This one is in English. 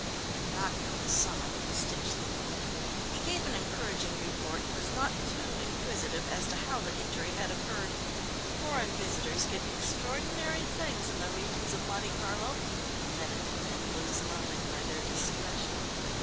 A doctor was summoned and stitched the wound. He gave an encouraging report, and was not too inquisitive as to how the injury had occurred. Foreign visitors get extraordinary things in the regions of Monte Carlo, and medical men lose nothing by their discretion.